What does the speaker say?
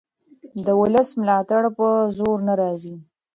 د ولس ملاتړ په زور نه راځي